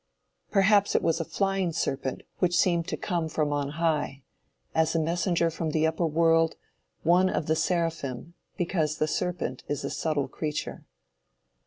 Perhaps it was a flying serpent which seemed to come from on high, as a messenger from the upper world, one of the seraphim; because the serpent is a subtile creature.